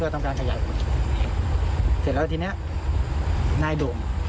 ตอนนี้น้ายด่ง